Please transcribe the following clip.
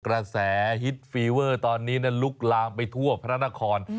กระแสฮิตฟีเวอร์ตอนนี้ลุกลามไปทั่วพระนคร